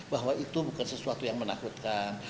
bahwa itu bukan sesuatu yang menakutkan